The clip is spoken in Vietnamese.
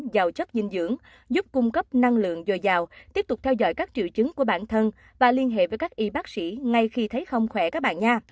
giàu chất dinh dưỡng giúp cung cấp năng lượng dồi dào tiếp tục theo dõi các triệu chứng của bản thân và liên hệ với các y bác sĩ ngay khi thấy không khỏe các bạn